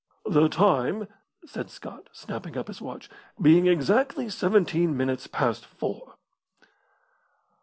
"The time," said Scott, snapping up his watch, "being exactly seventeen minutes past four."